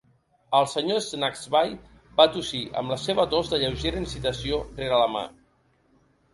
El senyor Snagsby va tossir amb la seva tos de lleugera incitació rere la mà.